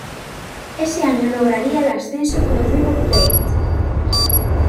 Ese año lograría el ascenso con River Plate.